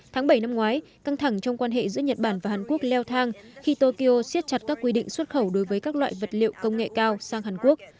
tháng bảy năm ngoái căng thẳng trong quan hệ giữa nhật bản và hàn quốc leo thang khi tokyo siết chặt các quy định xuất khẩu đối với các loại vật liệu công nghệ cao sang hàn quốc